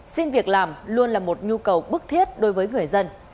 xin việc làm luôn là một nhu cầu bức thiết đối với người dân